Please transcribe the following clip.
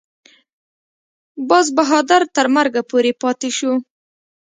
باز بهادر تر مرګه پورې پاته شو.